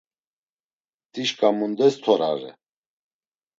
Dişka mundes torare?